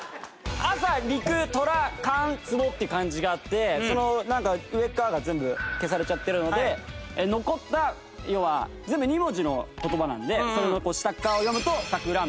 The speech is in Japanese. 朝陸虎勘壺って漢字があってその上側が全部消されちゃってるので残った要は全部２文字の言葉なのでその下側を読むと「さくらんぼ」になる。